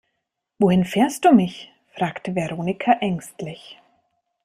Wohin fährst du mich, fragte Veronika ängstlich.